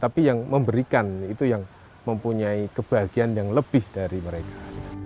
tapi yang memberikan itu yang mempunyai kebahagiaan yang lebih dari mereka